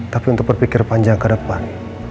tapi untuk berpikir panjang ke depan